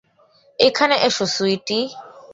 এখানে এসো, সুইটি।